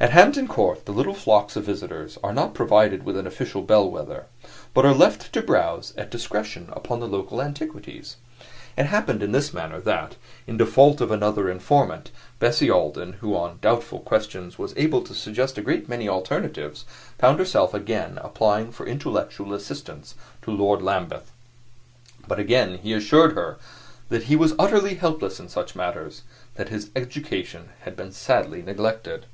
At Hampton Court the little flocks of visitors are not provided with an official bellwether, but are left to browse at discretion upon the local antiquities. It happened in this manner that, in default of another informant, Bessie Alden, who on doubtful questions was able to suggest a great many alternatives, found herself again applying for intellectual assistance to Lord Lambeth. But he again assured her that he was utterly helpless in such matters that his education had been sadly neglected.